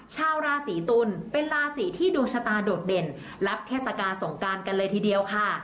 ชาวราศีตุลเป็นราศีที่ดวงชะตาโดดเด่นรับเทศกาลสงการกันเลยทีเดียวค่ะ